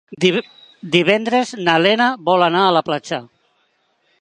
Divendres na Lena vol anar a la platja.